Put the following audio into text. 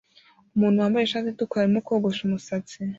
Umuntu wambaye ishati itukura arimo kogosha umusatsi